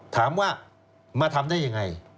ถามว่ามาทำได้ยังไง